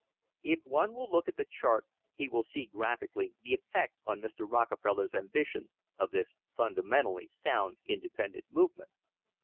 * If one will look at the chart he will see graphically the effect on Mr. Rockefeller's ambition of this fundamentally sound independent movement.